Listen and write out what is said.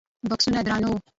بکسونه درانه وو.